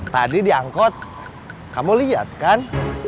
tadi diangkut kamu lihat kan